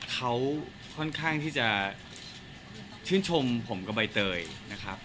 เขาค่อนข้างที่จะชื่นชมผมกับใบเตยนะครับ